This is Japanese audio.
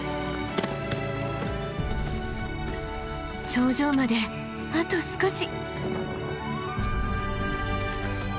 頂上まであと少し！